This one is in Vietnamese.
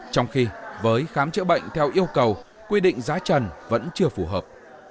trong khi với khám chữa bệnh theo yêu cầu quy định giá trần vẫn chưa phù hợp